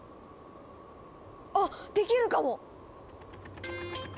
あっできるかも！